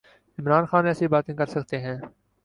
عمران خان ایسی باتیں کر سکتے ہیں۔